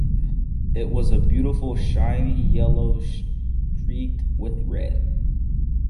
It was a beautiful shiny yellow, streaked with red.